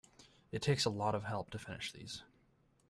It takes a lot of help to finish these.